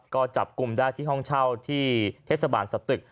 ก็จับกลุ่มได้ที่ห้องเช่าที่เทศบาลสตึก